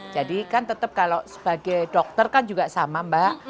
jadi kan tetap kalau sebagai dokter kan juga sama mbak